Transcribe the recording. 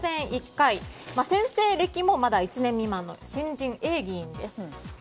１回先生歴もまだ１年未満の新人、Ａ議員です。